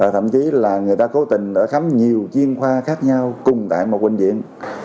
thậm chí là người ta cố tình khám nhiều chuyên khoa khác nhau cùng tại một bệnh viện